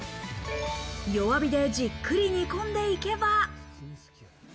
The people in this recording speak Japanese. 弱火でじっくり煮込んでいけば。